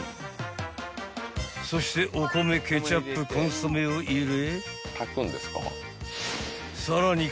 ［そしてお米ケチャップコンソメを入れ］